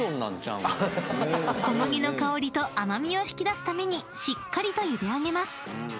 ［小麦の香りと甘味を引き出すためにしっかりとゆで上げます］